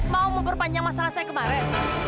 mau memperpanjang masalah saya kemarin